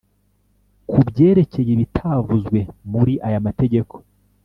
kubyerekeye ibitavuzwe muri aya mategeko